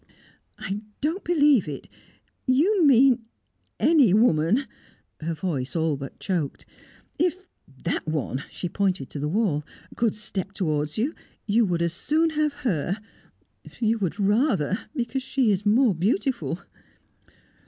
"I don't believe it. You mean any woman." Her voice all but choked. "If that one" she pointed to the wall "could step towards you, you would as soon have her. You would rather, because she is more beautiful."